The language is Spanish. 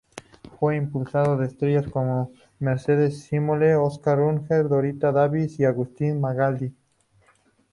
Fue impulsora de estrellas como Mercedes Simone, Oscar Ugarte, Dorita Davis y Agustín Magaldi.